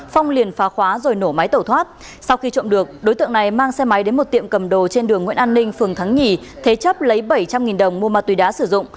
phong liền phá khóa rồi nổ máy tẩu thoát sau khi trộm được đối tượng này mang xe máy đến một tiệm cầm đồ trên đường nguyễn an ninh phường thắng nhì thế chấp lấy bảy trăm linh đồng mua ma túy đá sử dụng